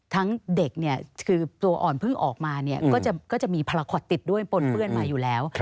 ทั้งเด็กตัวอ่อนเพิ่งออกมาก็จะมีภาระขวดติดด้วยปนเฟื่อนมาอยู่แล้ว